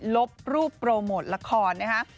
ลบรูปโปรโมทละครนะฮะ